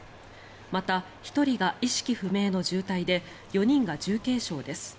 また、１人が意識不明の重体で４人が重軽傷です。